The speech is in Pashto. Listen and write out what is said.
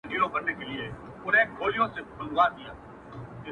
ډېر ښه پوهيږي